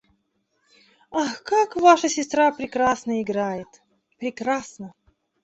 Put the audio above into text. «Ах, как ваша сестра прекрасно играет!» Прекрасно!